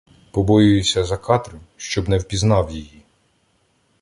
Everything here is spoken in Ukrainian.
Побоююся за Катрю, щоб не впізнав її.